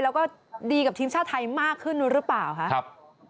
แล้วก็ดีกับทีมชาติไทยมากขึ้นหรือเปล่าคะ